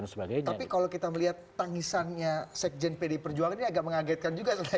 tapi kalau kita melihat tangisannya sekjen pdi perjuangan ini agak mengagetkan juga sebenarnya